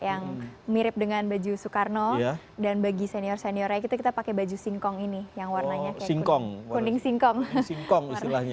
yang mirip dengan baju soekarno dan bagi senior seniornya kita pakai baju singkong ini yang warnanya kayak kuning singkong